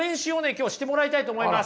今日はしてもらいたいと思います。